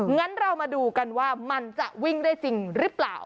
งั้นเรามาดูกันว่ามันจะวิ่งได้จริงหรือเปล่า